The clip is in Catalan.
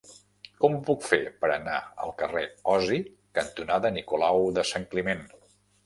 Com ho puc fer per anar al carrer Osi cantonada Nicolau de Sant Climent?